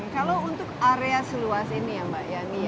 kalau untuk area seluas ini ya mbak yani